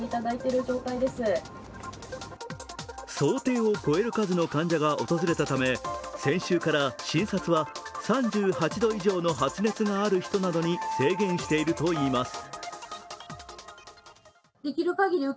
想定を超える数の患者が訪れたため先週から診察は３８度以上の発熱がある人などに制限しているといいます。